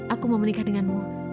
aku mau menikah denganmu